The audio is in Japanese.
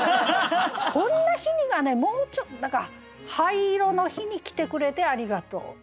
「こんな日に」がもうちょっと何か「灰色の日に来てくれてありがとう」。